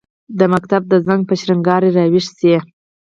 د مکتب د زنګ، په شرنګهار راویښ شي